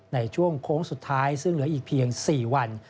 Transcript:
ในช่วงโค้งสุดท้ายซึ่งเหลืออีกเพียง๔วัน